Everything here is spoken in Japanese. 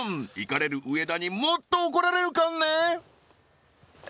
怒れる上田にもっと怒られるかんね！